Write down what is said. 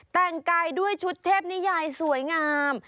แต่งกายด้วยชุดเทพนิยายสวยงาม